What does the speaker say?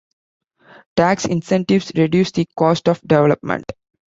Tax incentives reduce the cost of development.